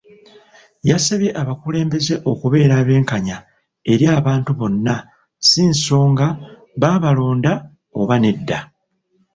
Yasabye abakulembeze okubeera abenkanya eri abantu bonna si nsonga baabalonda oba nedda.